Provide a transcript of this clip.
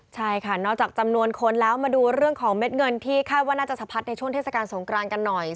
ใช่ค่ะนอกจากจำนวนคนแล้วมาดูเรื่องของเม็ดเงินที่คาดว่าน่าจะสะพัดในช่วงเทศกาลสงกรานกันหน่อย